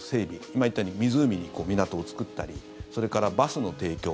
今言ったように湖に港を作ったりそれから、バスの提供